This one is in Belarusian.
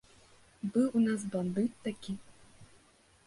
Быў у нас бандыт такі.